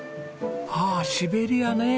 ああシベリアね。